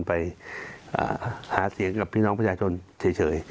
ไปหาเสียงกับพี่น้องประชาชนเฉย